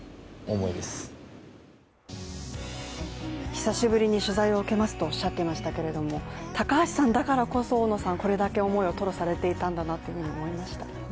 久しぶりに取材を受けますとおっしゃっていましたけれども高橋さんだからこそ、大野さんこれだけ思いを吐露しているんだなと思いました。